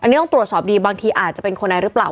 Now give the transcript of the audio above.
อันนี้ต้องตรวจสอบดีบางทีอาจจะเป็นคนในหรือเปล่า